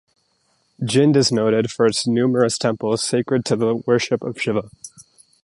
Jind is noted for its numerous temples sacred to the worship of Shiva.